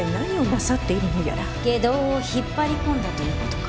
外道を引っ張り込んだということか。